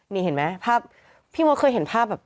นี่เห็นไหมภาพพี่มดเคยเห็นภาพแบบ